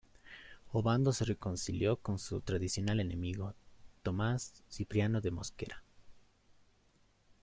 Obando se reconcilió con su tradicional enemigo Tomás Cipriano de Mosquera.